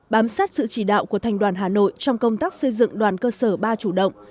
bám sát sự chỉ đạo của thành đoàn hà nội trong công tác xây dựng đoàn cơ sở ba chủ động